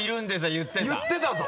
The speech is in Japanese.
言ってたぞ！